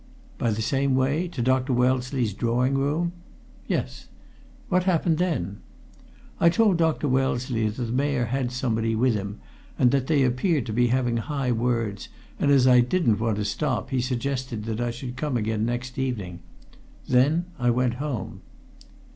"By the same way? To Dr. Wellesley's drawing room?" "Yes." "What happened then?" "I told Dr. Wellesley that the Mayor had somebody with him and that they appeared to be having high words, and as I didn't want to stop he suggested that I should come again next evening. Then I went home."